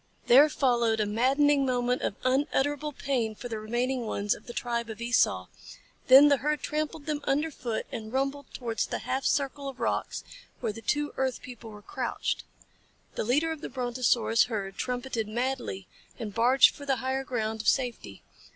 There followed a maddening moment of unutterable pain for the remaining ones of the tribe of Esau, then the herd trampled them underfoot and rumbled towards the half circle of rocks where the two earth people were crouched. The leader of the Brontosaurus herd trumpeted madly and barged for the higher ground of safety.